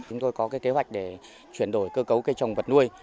chúng tôi có kế hoạch để chuyển đổi cơ cấu cây trồng vật nuôi